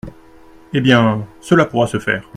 Eh bien, cela pourra se faire.